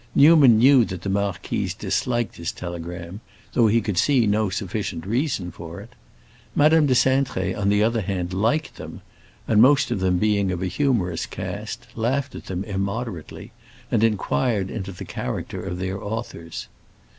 Newman knew that the marquise disliked his telegrams, though he could see no sufficient reason for it. Madame de Cintré, on the other hand, liked them, and, most of them being of a humorous cast, laughed at them immoderately, and inquired into the character of their authors.